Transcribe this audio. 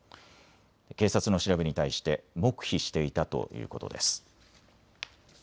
警察の調べに対して黙秘していたということです。